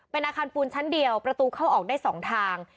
เป็นอาคารปูนชั้นเดียวประตูเข้าออกได้๒ทาง